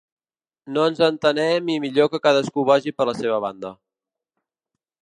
No ens entenem i millor que cadascú vagi per la seva banda.